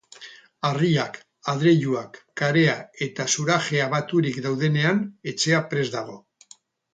Harriak, adreiluak, karea eta zurajea baturik daudenean, etxea prest dago.